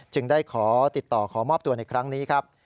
ได้ขอติดต่อขอมอบตัวในครั้งนี้ครับ